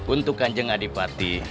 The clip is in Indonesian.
untuk kanjeng adipaten pati